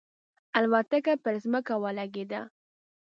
الوتکه پر ځمکه ولګېده.